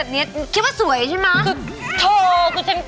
คลิ้ดที่จริง